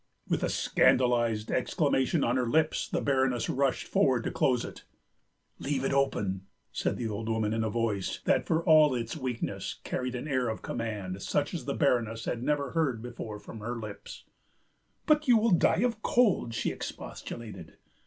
With a scandalised exclamation on her lips, the Baroness rushed forward to close it. "Leave it open," said the old woman in a voice that for all its weakness carried an air of command such as the Baroness had never heard before from her lips. "But you will die of cold!" she expostulated.